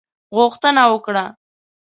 غوښتنه وکړه.